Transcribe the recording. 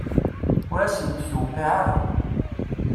Ur asent-d-tuqiɛ ara.